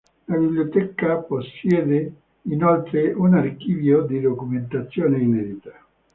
La biblioteca possiede inoltre un archivio di documentazione inedita.